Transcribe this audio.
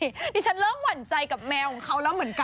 ดิฉันเริ่มหวั่นใจกับแมวของเขาแล้วเหมือนกัน